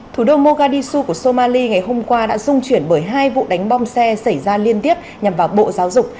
thủ đô mogadisu của somali ngày hôm qua đã dung chuyển bởi hai vụ đánh bom xe xảy ra liên tiếp nhằm vào bộ giáo dục